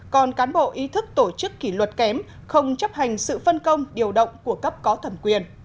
còn cán bộ ý thức tổ chức kỷ luật kém không chấp hành sự phân công điều động của cấp có thẩm quyền